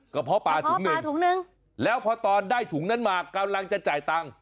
เพาะปลาถุงหนึ่งถุงนึงแล้วพอตอนได้ถุงนั้นมากำลังจะจ่ายตังค์